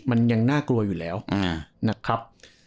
มันยังน่ากลัวอยู่แล้วนะครับ